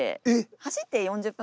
走って４０分。